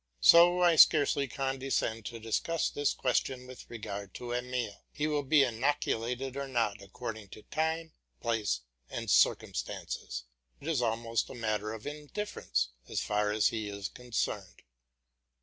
So I scarcely condescend to discuss this question with regard to Emile. He will be inoculated or not according to time, place, and circumstances; it is almost a matter of indifference, as far as he is concerned.